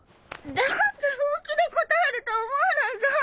だって本気で答えると思わないじゃん！